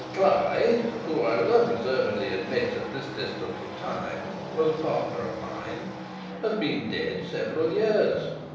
Cly (who I will unreservedly admit, at this distance of time, was a partner of mine) has been dead several years.